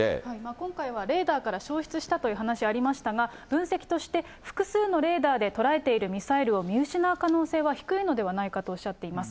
今回はレーダーから消失したという話ありましたが、分析として、複数のレーダーで捉えているミサイルを見失う可能性は低いのではないかとおっしゃっています。